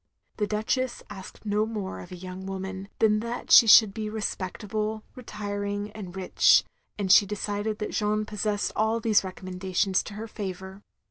The Duchess asked no more of a yotmg woman than that she should be respectable, retiring, and rich; and she decided that Jeanne possessed all these recommendations to her favour.